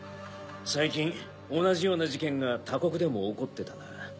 最近同じような事件が他国でも起こってたな。